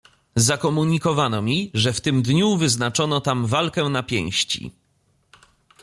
"Zakomunikowano mi, że w tym dniu wyznaczono tam walkę na pięści."